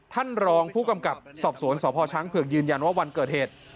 ท่านรองผู้กำกับสอบสวนสพช้างเผือกยืนยันว่าวันเกิดเหตุ